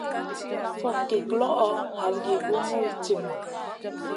Fogki guloʼo, halgi guʼ nul timma.